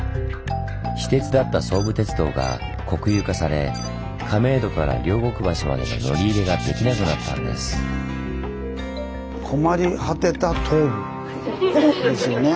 私鉄だった総武鉄道が国有化され亀戸から両国橋までの乗り入れができなくなったんです。ですよね。